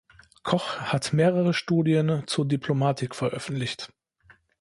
Koch hat mehrere Studien zur Diplomatik veröffentlicht.